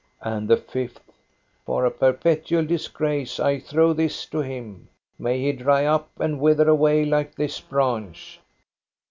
And the fifth :" For a perpetual disgrace I throw this to him. May he dry up and wither away like this branch